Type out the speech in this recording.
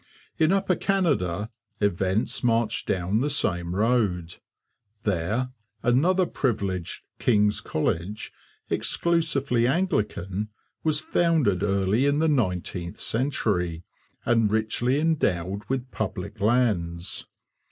In Upper Canada events marched down the same road. There, another privileged 'King's College,' exclusively Anglican, was founded early in the nineteenth century, and richly endowed with public lands.